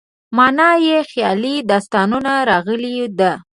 معنا یې خیالي داستانونه راغلې ده.